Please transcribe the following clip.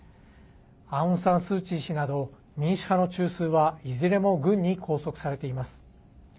アウン・サン・スー・チー氏など民主派の中枢はいずれも軍に拘束されています。